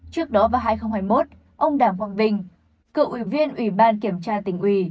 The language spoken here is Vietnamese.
trước đó vào hai nghìn hai mươi một ông đảng quang vinh cựu ủy viên ủy ban kiểm tra tỉnh ủy